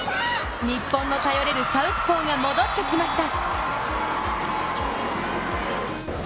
日本の頼れるサウスポーが戻ってきました。